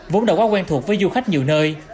vốn đã quá quen thuộc với du khách nhiều nơi